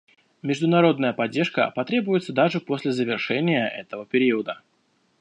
Международная поддержка потребуется даже после завершения этого периода.